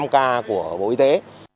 năm k của bộ y tế